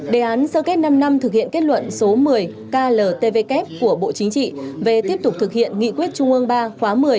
đề án sơ kết năm năm thực hiện kết luận số một mươi kltvk của bộ chính trị về tiếp tục thực hiện nghị quyết trung ương ba khóa một mươi